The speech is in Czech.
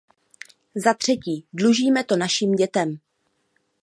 Zatřetí, dlužíme to našim dětem.